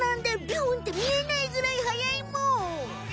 ビュンって見えないぐらい速いむ。